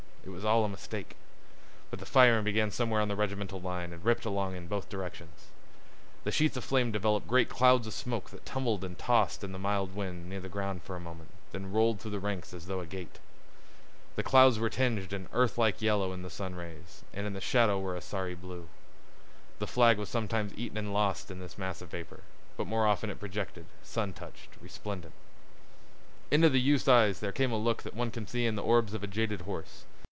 It was all a mistake. But the firing began somewhere on the regimental line and ripped along in both directions. The level sheets of flame developed great clouds of smoke that tumbled and tossed in the mild wind near the ground for a moment, and then rolled through the ranks as through a gate. The clouds were tinged an earthlike yellow in the sunrays and in the shadow were a sorry blue. The flag was sometimes eaten and lost in this mass of vapor, but more often it projected, sun touched, resplendent. Into the youth's eyes there came a look that one can see in the orbs of a jaded horse.